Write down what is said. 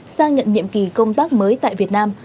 sang nhận nhiệm kỳ công tác mới tại việt nam